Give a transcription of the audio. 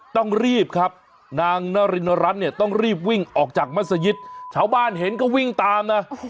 ต้องรีบครับนางนารินรัฐเนี่ยต้องรีบวิ่งออกจากมัศยิตชาวบ้านเห็นก็วิ่งตามนะ